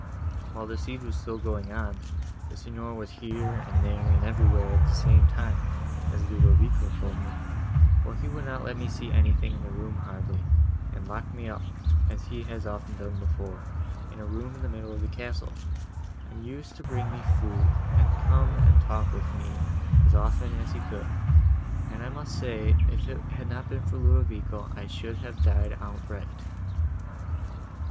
While the siege was going on, the Signor was here, and there, and everywhere, at the same time, as Ludovico told me, for he would not let me see anything hardly, and locked me up, as he has often done before, in a room in the middle of the castle, and used to bring me food, and come and talk with me as often as he could; and I must say, if it had not been for Ludovico, I should have died outright."